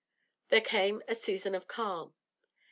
There came a season of calm.